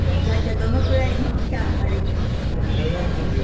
大体どのくらいの期間歩いていらしたの？